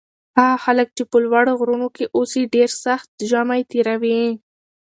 هغه خلک چې په لوړو غرونو کې اوسي ډېر سخت ژمی تېروي.